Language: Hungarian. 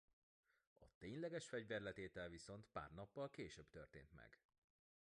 A tényleges fegyverletétel viszont pár nappal később történt meg.